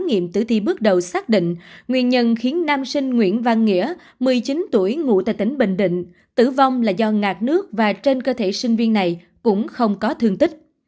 các nghiệm tử thi bước đầu xác định nguyên nhân khiến nam sinh nguyễn văn nghĩa một mươi chín tuổi ngụ tại tỉnh bình định tử vong là do ngạc nước và trên cơ thể sinh viên này cũng không có thương tích